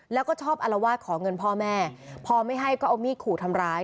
แล้วก็ชอบอารวาสขอเงินพ่อแม่พอไม่ให้ก็เอามีดขู่ทำร้าย